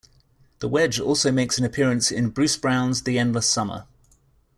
The Wedge also makes an appearance in Bruce Brown's "The Endless Summer".